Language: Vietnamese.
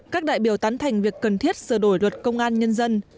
các đại biểu tán thành việc cần thiết sửa đổi luật công an nhân dân